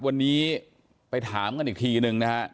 วันนี้ไปถามกันอีกทีนึงนะฮะ